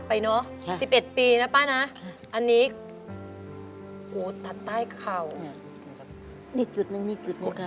มันจะนิ่มแล้วก็จะดีขึ้น